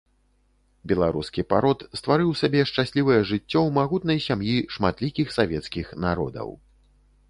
Беларускі парод стварыў сабе шчаслівае жыццё ў магутнай сям'і шматлікіх савецкіх народаў.